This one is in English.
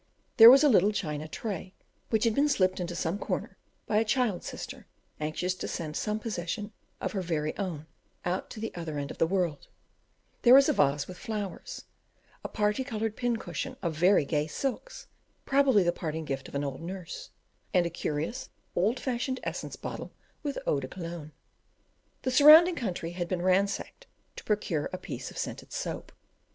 There was a little china tray, which had been slipped into some corner by a child sister anxious to send some possession of her "very own" out to the other end of the world; there was a vase with flowers; a parti coloured pin cushion of very gay silks, probably the parting gift of an old nurse; and a curious old fashioned essence bottle, with eau de cologne; the surrounding country had been ransacked to procure a piece of scented soap.